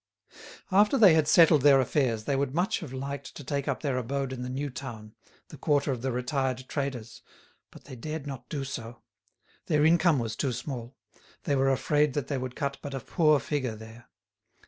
After they had settled their affairs they would much have liked to take up their abode in the new town, the quarter of the retired traders, but they dared not do so. Their income was too small; they were afraid that they would cut but a poor figure there.